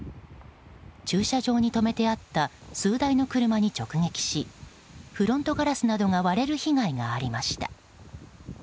駐車場に止めてあった数台の車に直撃しフロントガラスなどが割れる被害がありました。